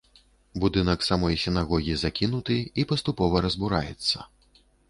Будынак самой сінагогі закінуты і паступова разбураецца.